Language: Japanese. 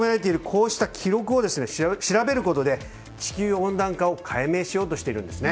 こうした記録を調べることで、地球温暖化を解明しようとしているんですね。